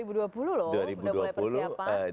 udah mulai persiapan